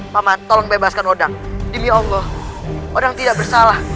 paman tolong bebaskan hodak demi allah hodak tidak bersalah